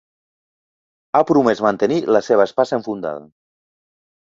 Ha promès mantenir la seva espasa enfundada.